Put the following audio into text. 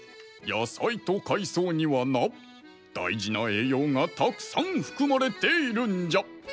野菜と海藻にはなだいじな栄養がたくさんふくまれているんじゃ。